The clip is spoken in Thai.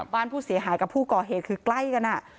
บ้านผู้เสียหายกับผู้ก่อเหตุคือใกล้กัน